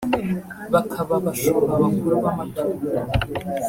bakaba abashumba bakuru b’amatungo